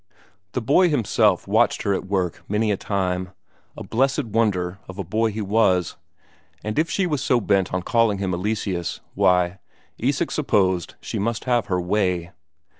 The boy himself watched her at work many a time; a blessed wonder of a boy he was, and if she was so bent on calling him Eleseus, why, Isak supposed she must have her way.